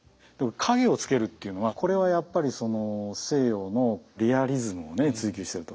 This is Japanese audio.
影をつけるっていうのはこれはやっぱりその西洋のリアリズムをね追求してると。